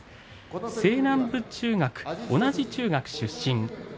西南部中学、同じ中学出身。